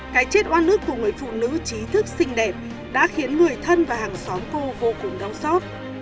cái chết oan lứt của người phụ nữ trí thức xinh đẹp đã khiến người thân và hàng xóm cô vô cùng đau xót